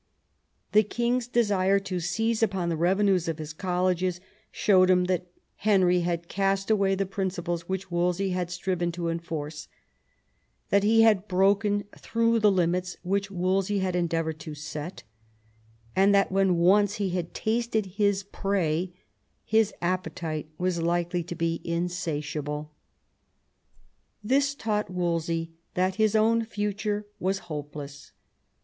The king's desire to seize upon the revenues of his colleges showed him that Henry had cast away the principles which Wolsey had striven to enforce, that he had broken through the limits which Wolsey had endeavoured to set, and that when once he had tasted his prey his appetite was likely to be in satiable. This taught Wolsey that his own future was hopeless.